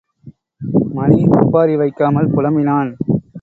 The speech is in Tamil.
மணி ஒப்பாரி வைக்காமல் புலம்பினான்.